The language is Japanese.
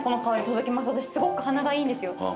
私すごく鼻がいいんですよ。